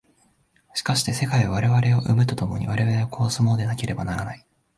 しかして世界は我々を生むと共に我々を殺すものでなければならない。